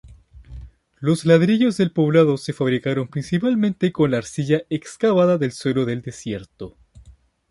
Los ladrillos del poblado se fabricaban principalmente con arcilla excavada del suelo del desierto.